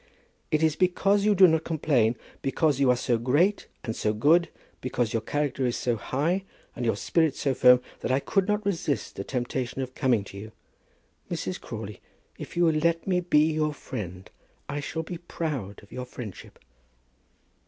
"It is because you do not complain, because you are so great and so good, because your character is so high, and your spirit so firm, that I could not resist the temptation of coming to you. Mrs. Crawley, if you will let me be your friend, I shall be proud of your friendship."